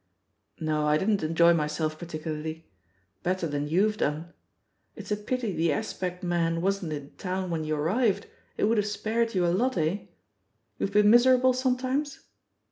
.•. No, I didn't enjoy myself particularly — better than you've done. It's a pity The Aspect man wasn't in town when you arrived, it would have spared you a lot, ch? You've been miserable sometimes?"